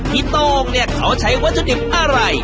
โต้งเนี่ยเขาใช้วัตถุดิบอะไร